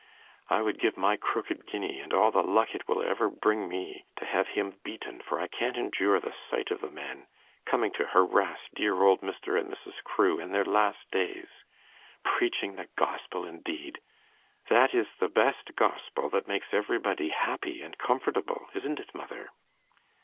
I would give my crooked guinea, and all the luck it will ever bring me, to have him beaten, for I can't endure the sight of the man coming to harass dear old Mr. and Mrs. Crewe in their last days. Preaching the Gospel indeed! That is the best Gospel that makes everybody happy and comfortable, isn't it, mother?